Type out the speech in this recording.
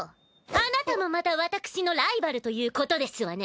あなたもまた私のライバルということですわね